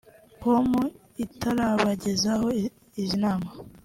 com itarabagezaho izi nama